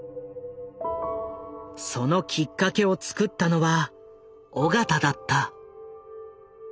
そのきっかけをつくったのは緒方だった。